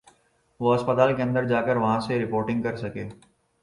وہ ہسپتال کے اندر جا کر وہاں سے رپورٹنگ کر سکے۔